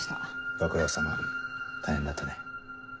ご苦労さま大変だったね。